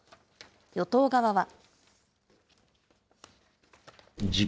与党側は。